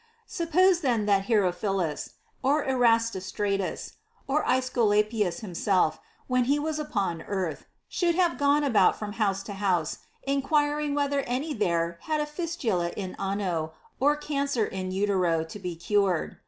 Suppose then that Herophilus or Erasistratus, or Aesculapius himself when he was upon earth, should have gone about from house to house, enquiring whether any there had a fistula in ano or cancer in utero to be cured.